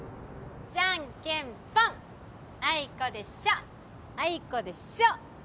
じゃんけんぽんあいこでしょあいこでしょ